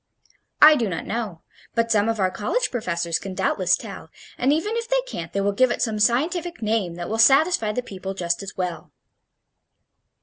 "I do not know. But some of our college professors can doubtless tell, and even if they can't they will give it some scientific name that will satisfy the people just as well."